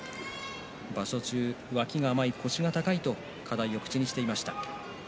場所中、脇が甘い、腰が高いと課題を口にしていました。